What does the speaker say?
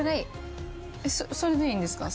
それでいいんですか？